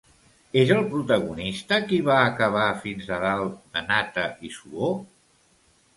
És el protagonista qui va acabar fins a dalt de nata i suor?